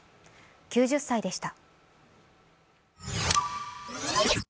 ９０歳でした。